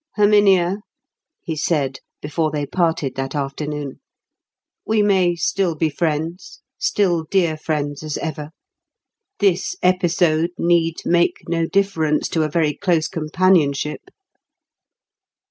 "Herminia," he said, before they parted that afternoon, "we may still be friends; still dear friends as ever? This episode need make no difference to a very close companionship?"